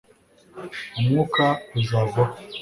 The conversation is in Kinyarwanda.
umwuka uzavaho